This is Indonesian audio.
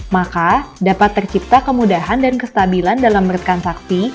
maka dapat tercipta kemudahan dan kestabilan dalam bertransaksi